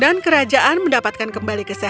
dan kerajaan mendapatkan kembali kesehatan